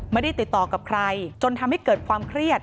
ไม่ได้ติดต่อกับใครจนทำให้เกิดความเครียด